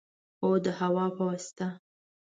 هو، د هوا په واسطه